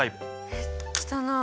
えっ汚い。